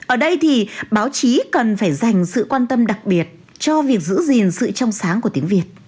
ở đây thì báo chí cần phải dành sự quan tâm đặc biệt cho việc giữ gìn sự trong sáng của tiếng việt